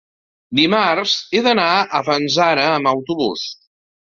Dimarts he d'anar a Fanzara amb autobús.